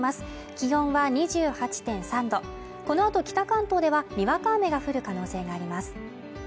気温は２８．３度このあと北関東ではにわか雨が降る可能性があります